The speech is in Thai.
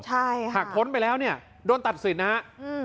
ใช่ค่ะหากพ้นไปแล้วเนี่ยโดนตัดสินนะฮะอืม